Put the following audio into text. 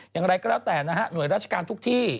อย่างไรก็แล้วแต่นะฮะหน่วยราชการทุกที่